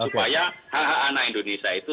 supaya hal hal anak indonesia itu